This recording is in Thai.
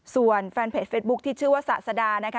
ส่วนแฟนเพจเฟสบุ๊คที่ชื่อว่าสะสดานะคะ